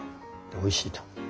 でおいしいと。